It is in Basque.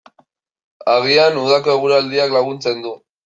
Agian udako eguraldiak laguntzen du.